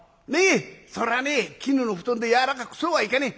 そりゃね絹の布団で柔らかくそうはいかねえ。